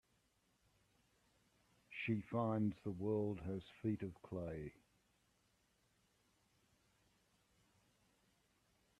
She finds the world has feet of clay.